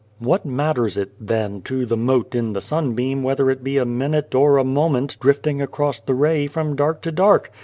What matters it, then, to the mote in the sunbeam whether it be a minute or a moment drifting across the ray from dark to dark